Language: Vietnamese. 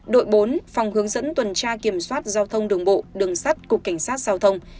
đội bốn phòng hướng dẫn tuần tra kiểm soát giao thông đường bộ đường sắt cục cảnh sát giao thông